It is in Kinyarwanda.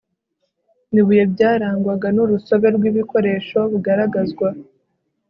ibuye bwarangwaga n urusobe rw ibikoresho bugaragazwa